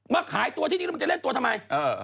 มาขายตัวที่นี่แล้วมันจะเล่นตัวทำไม